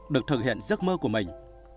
được thực hiện giấc mơ của mình